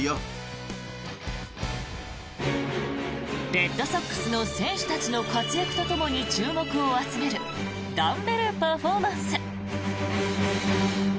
レッドソックスの選手たちの活躍とともに注目を集めるダンベルパフォーマンス。